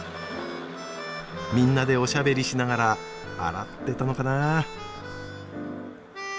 みんなでおしゃべりしながら洗ってたのかな？